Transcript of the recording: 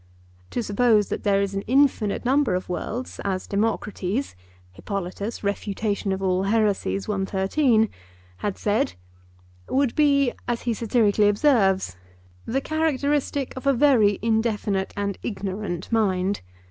To suppose that there is an infinite number of worlds, as Democritus (Hippolyt. Ref. Haer. I.) had said, would be, as he satirically observes, 'the characteristic of a very indefinite and ignorant mind.